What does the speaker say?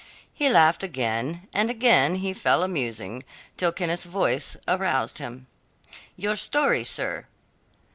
He laughed again, and again he fell a musing, till Kenneth's voice aroused him. "Your story, sir."